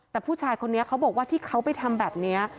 แต่ผู้ชายคนนี้เขาบอกว่าที่เขาไปทำแบบนี้